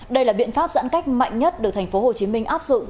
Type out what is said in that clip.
đây là biện pháp giãn cách mạnh nhất được thành phố hồ chí minh áp dụng